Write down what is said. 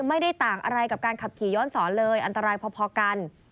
ไม่ได้ต่างอะไรกับการขับขี่ย้อนสอนเลยอันตรายพอกัน